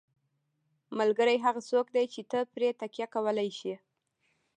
ملګری هغه څوک دی چې ته پرې تکیه کولی شې.